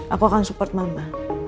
aku akan support mama